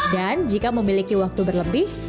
dan jika memiliki waktu berlebih